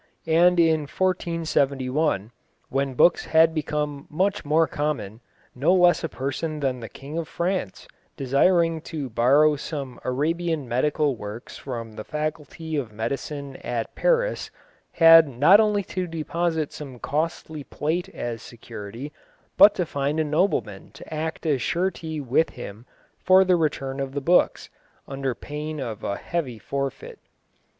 And in 1471, when books had become much more common, no less a person than the King of France, desiring to borrow some Arabian medical works from the Faculty of Medicine at Paris, had not only to deposit some costly plate as security, but to find a nobleman to act as surety with him for the return of the books, under pain of a heavy forfeit.